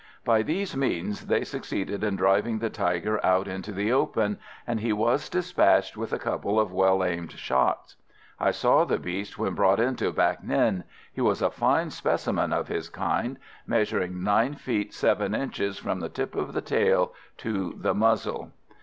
By these means they succeeded in driving the tiger out into the open, and he was despatched with a couple of well aimed shots. I saw the beast when brought into Bac Ninh; he was a fine specimen of his kind, measuring 9 feet 7 inches from the tip of the tail to the muzzle.